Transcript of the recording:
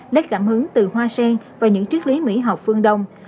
lấy cảm hứng từ hoa sen và những triết lý mỹ học phương đông